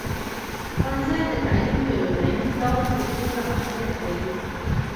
ښوونځی د تعلیم د لومړني دور په توګه اهمیت لري.